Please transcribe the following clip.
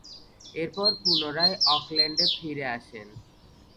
এরপর, পুনরায় অকল্যান্ডে ফিরে আসেন।